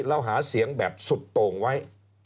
เราหาเสียงแบบสุดโต่งไว้